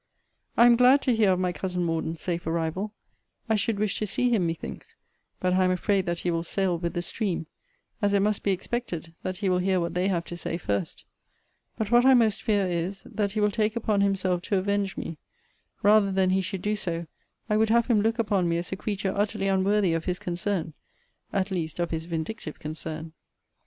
I am glad to hear of my cousin Morden's safe arrival. I should wish to see him methinks: but I am afraid that he will sail with the stream; as it must be expected, that he will hear what they have to say first. But what I most fear is, that he will take upon himself to avenge me. Rather than he should do so, I would have him look upon me as a creature utterly unworthy of his concern; at least of his vindictive concern.